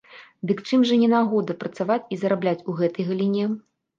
Дык чым жа не нагода працаваць і зарабляць у гэтай галіне?